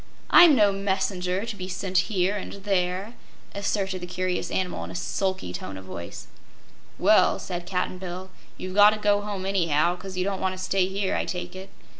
"I'm no messenger, to be sent here and there," asserted the curious animal in a sulky tone of voice. "Well," said Cap'n Bill, "you've got to go home, anyhow, 'cause you don't want to stay here, I take it.